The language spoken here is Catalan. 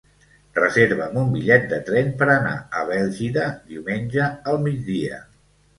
Reserva'm un bitllet de tren per anar a Bèlgida diumenge al migdia.